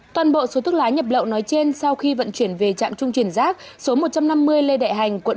toàn bộ số thuốc lá nhập lậu nói trên sau khi vận chuyển về trạm trung chuyển rác số một trăm năm mươi lê đại hành